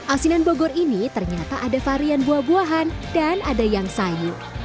asinan bogor ini ternyata ada varian buah buahan dan ada yang sayur